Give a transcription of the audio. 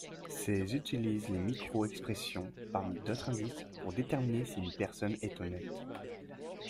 Ces utilisent les micro-expressions, parmi d'autres indices, pour déterminer si une personne est honnête.